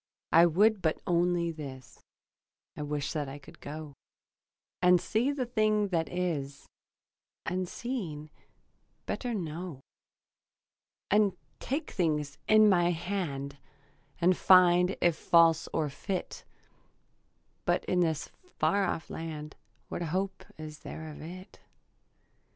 I would but only this: I wish that I could go And see the thing that is, And, seeing, better know; And take things in my hand And find if false or fit; But in this far off land What hope is there of it?